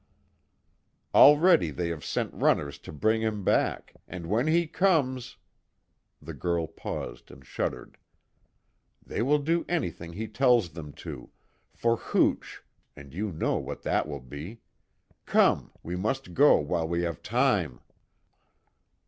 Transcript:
Already they have sent runners to bring him back, and when he comes," the girl paused and shuddered "They will do anything he tells them to for hooch, and you know what that will be come, we must go while we have time!"